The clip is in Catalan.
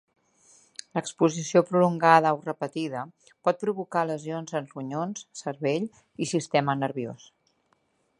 L'exposició prolongada o repetida pot provocar: lesions en ronyons, cervell i sistema nerviós.